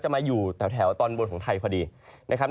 มาอยู่แถวตอนบนของไทยพอดีนะครับ